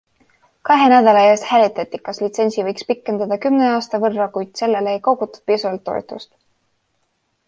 Kahe nädala eest hääletati, kas litsentsi võiks pikendada kümne aasta võrra, kuid sellele ei kogutud piisavalt toetust.